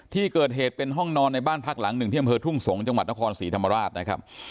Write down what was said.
ที่เกิดเหตุเป็นห้องนอนในบ้านพักหลังหนึ่งที่อำเภอทุ่งสงศ์จังหวัดนครศรีธรรมราชนะครับ